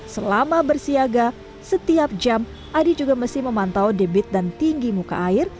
selama bersiaga setiap jam adi juga mesti memantau debit dan tinggi muka air